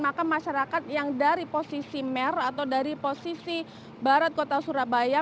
maka masyarakat yang dari posisi merah atau dari posisi barat kota surabaya